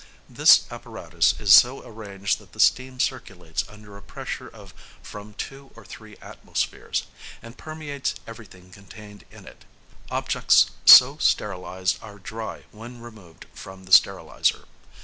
This apparatus is so arranged that the steam circulates under a pressure of from two to three atmospheres, and permeates everything contained in it. Objects so sterilised are dry when removed from the steriliser.